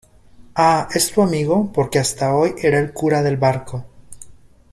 ah. es tu amigo porque hasta hoy era el cura del barco